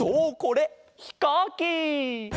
ひこうき！